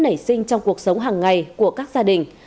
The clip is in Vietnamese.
nảy sinh trong cuộc sống hàng ngày của các gia đình